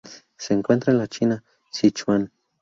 Se encuentra en la China: Sichuan.